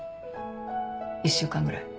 １週間ぐらい。